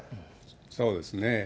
そうですね。